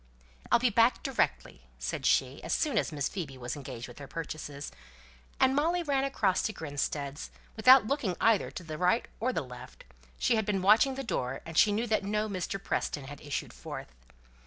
"I'll be back directly," said she, as soon as Miss Phoebe was engaged with her purchases; and Molly ran across to Grinstead's, without looking either to the right or the left; she had been watching the door, and she knew that no Mr. Preston had issued forth.